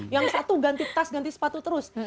yang satu ganti tas ganti sepatu terus